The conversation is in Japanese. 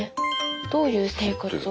どういう生活を。